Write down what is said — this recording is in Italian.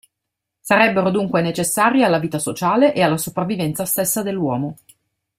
Sarebbero dunque necessarie alla vita sociale e alla sopravvivenza stessa dell'uomo.